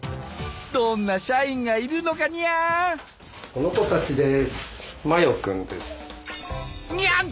どんな社員がいるのかにゃ？